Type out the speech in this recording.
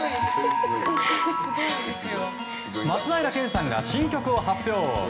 松平健さんが新曲を発表。